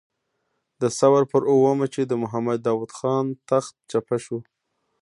د ثور پر اوومه چې د محمد داود خان تخت چپه شو.